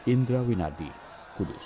indra winadi kudus